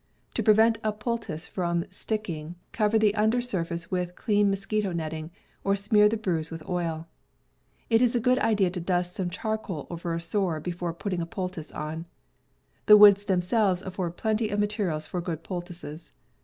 To prevent a poultice from sticking, cover the under surface with clean mosquito netting, or smear the bruise with oil. It is a good idea to dust some char coal over a sore before putting the poultice on. The woods themselves afford plenty of materials for good poultices.